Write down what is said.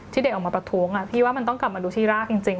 เด็กออกมาประท้วงพี่ว่ามันต้องกลับมาดูที่รากจริง